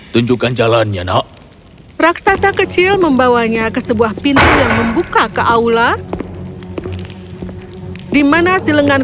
tunjukkan jalannya nak raksasa kecil membawanya ke sebuah pintu yang membuka ke aula dimana silengan